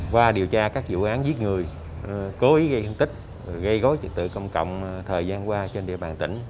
qua điều tra các vụ án giết người cố ý gây thương tích gây gối trật tự công cộng thời gian qua trên địa bàn tỉnh